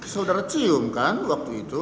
saudara cium kan waktu itu